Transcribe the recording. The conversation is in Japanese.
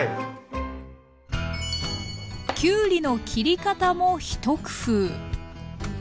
きゅうりの切り方も一工夫。